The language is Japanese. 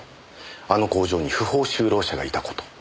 あの工場に不法就労者がいた事。